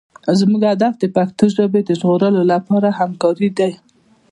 زموږ هدف د پښتو ژبې د ژغورلو لپاره همکارۍ دي.